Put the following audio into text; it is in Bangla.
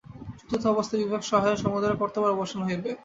চতুর্থ অবস্থায় বিবেকসহায়ে সমুদয় কর্তব্যের অবসান হইবে।